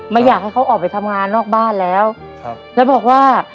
ไม่อยากให้เขาออกไปทำงานนอกบ้านแล้วครับแล้วบอกว่า